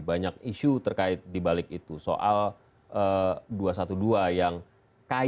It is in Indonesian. banyak isu terkait dibalik itu soal dua ratus dua belas yang kayaknya pak gatot berbicara tentang dua ratus dua belas